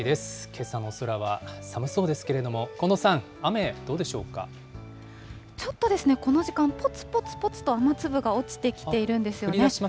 けさの空は寒そうですけれども、ちょっとですね、この時間、ぽつぽつぽつと雨粒が落ちてきているんですよね。